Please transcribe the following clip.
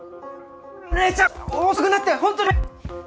麗ちゃん遅くなってホントにごめん！